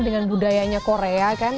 dengan budayanya korea kan